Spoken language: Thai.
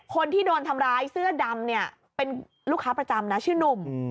คนที่โดนทำร้ายเสื้อดำเนี่ยเป็นลูกค้าประจำนะชื่อนุ่ม